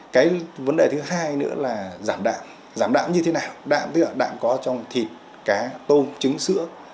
cái vấn đề thứ hai nữa là giảm đạm giảm đạm như thế nào đạm có trong thịt cá tôm trứng sữa